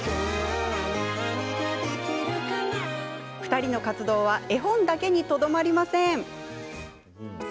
２人の活動は絵本だけにとどまりません。